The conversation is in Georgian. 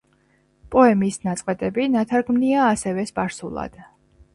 პოემის ნაწყვეტები ნათარგმნია ასევე სპარსულად.